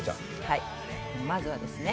はいまずはですね